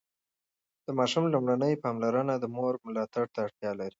د ماشوم لومړني پاملرنه د مور ملاتړ ته اړتیا لري.